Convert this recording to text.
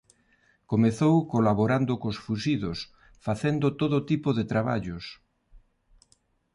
Comezou colaborando cos fuxidos facendo todo tipo de traballos.